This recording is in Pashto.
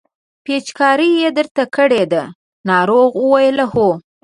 پېچکاري یې درته کړې ده ناروغ وویل هو.